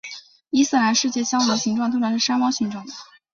伊斯兰世界香炉形状通常是山猫形状的。